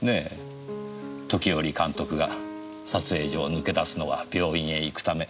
時折監督が撮影所を抜け出すのは病院へ行くため。